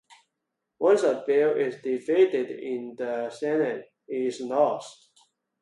Once a bill is defeated in the Senate, it is lost.